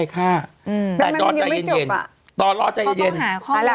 อ่ะนะที่จริงแล้ว